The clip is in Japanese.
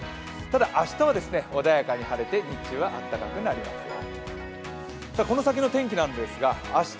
ただ明日は穏やかに晴れて日中は暖かくなりますよ。